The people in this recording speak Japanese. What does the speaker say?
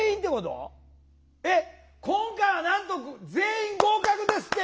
今回はなんと全員合格ですって！